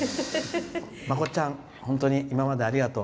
まこっちゃん本当に今までありがとう。